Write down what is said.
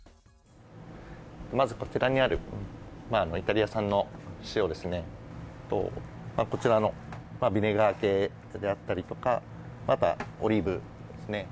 まず、こちらにあるイタリア産の塩こちらのビネガー系だったりとかあとはオリーブですね。